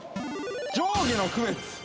上下の区別。